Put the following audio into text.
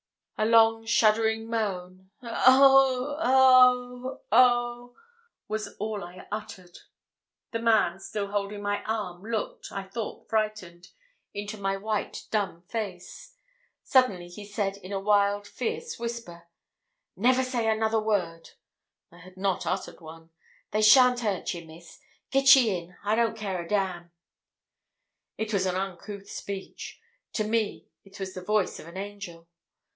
A long shuddering moan 'Oh oh oh!' was all I uttered. The man, still holding my arm, looked, I thought frightened, into my white dumb face. Suddenly he said, in a wild, fierce whisper 'Never say another word' (I had not uttered one). 'They shan't hurt ye, Miss; git ye in; I don't care a damn!' It was an uncouth speech. To me it was the voice of an angel.